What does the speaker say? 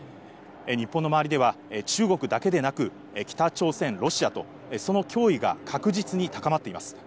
日本の周りでは、中国だけでなく、北朝鮮、ロシアとその脅威が確実に高まっています。